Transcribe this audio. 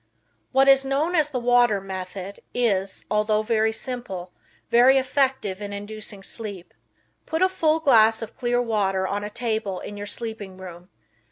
What is known as the water method is, although very simple, very effective in inducing sleep. Put a full glass of clear water on a table in your sleeping room.